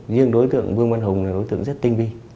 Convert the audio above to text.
riêng đối tượng vương văn hùng là đối tượng rất tinh vi